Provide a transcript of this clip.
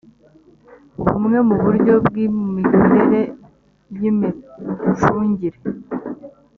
bumwe mu buryo bw’imikorere y’imicungire